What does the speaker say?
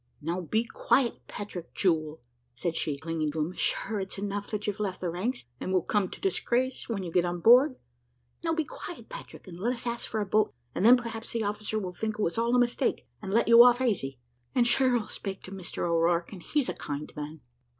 "Now be quiet, Patrick, jewel," said she, clinging to him, "sure it's enough that you've left the ranks, and will come to disgrace when you get on board. Now, be quiet, Patrick, and let us ask for a boat, and then perhaps the officer will think it was all a mistake, and let you off aisy: and sure I'll spake to Mr O'Rourke, and he's a kind man."